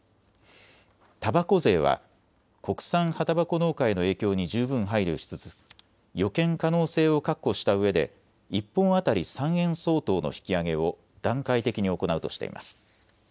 たばこ税は国産葉たばこ農家への影響に十分配慮しつつ予見可能性を確保したうえで１本当たり３円相当の引き上げを段階的に行うとしています。